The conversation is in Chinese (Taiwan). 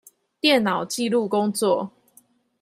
電腦紀錄工作